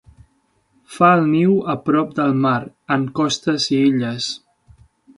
Fa el niu a prop del mar, en costes i illes.